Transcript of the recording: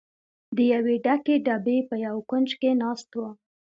د یوې ډکې ډبې په یوه کونج کې ناست و.